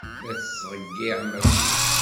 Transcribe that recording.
La tettḍeyyiɛem akud.